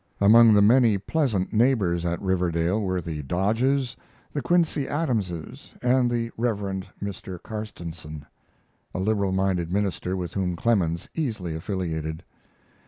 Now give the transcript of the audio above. Among the many pleasant neighbors at Riverdale were the Dodges, the Quincy Adamses, and the Rev. Mr. Carstensen, a liberal minded minister with whom Clemens easily affiliated.